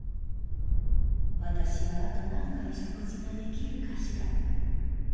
『私はあと何回食事が出来るかしら』